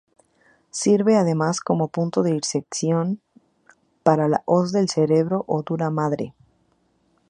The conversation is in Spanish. Sirve además como punto de inserción para la hoz del cerebro o duramadre.